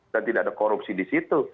dan tidak ada korupsi di situ